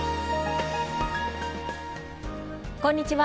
こんにちは。